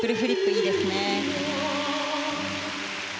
いいですね。